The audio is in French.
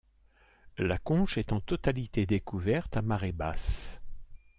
La conche est en totalité découverte à marée basse.